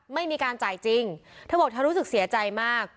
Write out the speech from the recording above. ไม่มีการจ่ายจริงเธอบอกเธอรู้สึกเสียใจมาก